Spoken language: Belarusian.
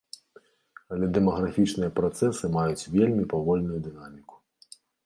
Але дэмаграфічныя працэсы маюць вельмі павольную дынаміку.